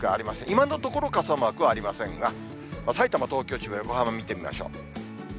今のところ、傘マークはありませんが、さいたま、東京、千葉、横浜、見てみましょう。